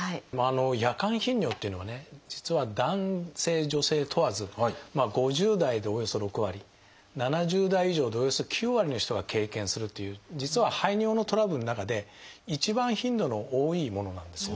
夜間頻尿というのはね実は男性女性問わず５０代でおよそ６割７０代以上でおよそ９割の人が経験するという実は排尿のトラブルの中で一番頻度の多いものなんですよ。